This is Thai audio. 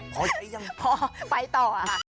พอใช้ยังพอไปต่อค่ะ